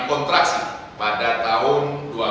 kontraksi pada tahun dua ribu dua puluh